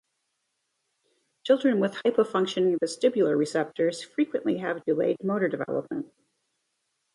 Children with hypofunctioning vestibular receptors frequently have delayed motor development.